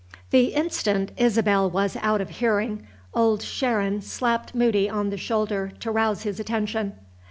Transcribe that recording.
THE instant Isabel was out of hearing, Old Sharon slapped Moody on the shoulder to rouse his attention.